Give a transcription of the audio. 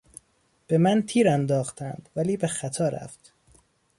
به من تیرانداختند ولی به خطا رفت.